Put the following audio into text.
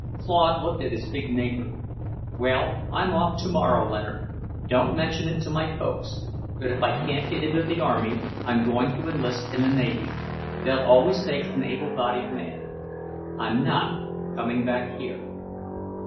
Claude looked at his big neighbour. "Well, I'm off tomorrow, Leonard. Don't mention it to my folks, but if I can't get into the army, I'm going to enlist in the navy. They'll always take an able bodied man. I'm not coming back here."